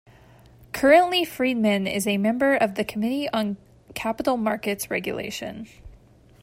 Currently Friedman is a member of the Committee on Capital Markets Regulation.